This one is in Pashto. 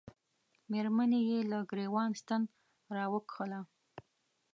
مېرمنې یې له ګرېوان ستن را وکښله.